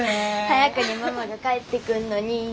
早くにママが帰ってくんのに。